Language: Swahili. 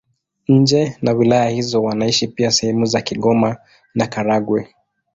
Nje na wilaya hizo wanaishi pia sehemu za Kigoma na Karagwe.